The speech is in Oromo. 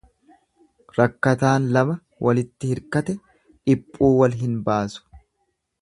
Rakkataan lama walitti hirkate dhiphuu wal hin baasu.